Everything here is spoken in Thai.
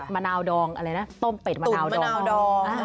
มะนาวดองอะไรนะต้มเป็ดมะนาวมะนาวดอง